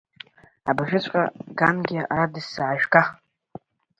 Абыржәыҵәҟьа, Гангиа ара дысзаажәга!